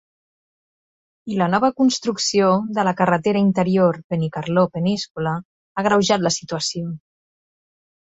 I la nova construcció de la carretera interior Benicarló-Peníscola ha agreujat la situació.